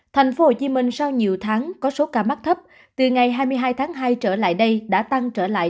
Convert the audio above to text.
thành phố hồ chí minh sau nhiều tháng có số ca mắc thấp từ ngày hai mươi hai tháng hai trở lại đây đã tăng trở lại